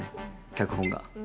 脚本が。